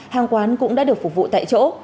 hàng quán cũng đã được phục vụ tại chỗ